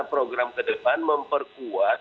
program ke depan memperkuat